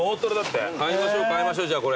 買いましょう買いましょうじゃあ